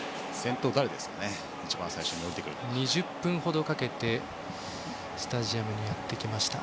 ２０分ほどかけてスタジアムにやってきました。